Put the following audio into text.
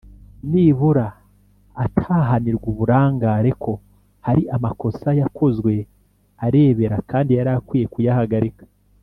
nibura atahanirwa uburangare; ko hari amakosa yakozwe arebera kandi yari akwiye kuyahagarika